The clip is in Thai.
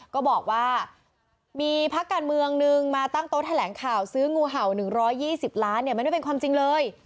ก็บอกว่ามีพักการเมืองนึงมาตั้งโต๊ะแถลงข่าวซื้องูเห่า๑๒๐ล้านเนี่ยมันไม่เป็นความจริงเลย